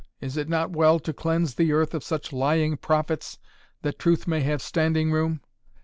Is it not well to cleanse the earth of such lying prophets that truth may have standing room?